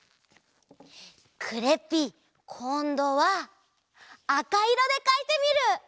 クレッピーこんどはあかいろでかいてみる！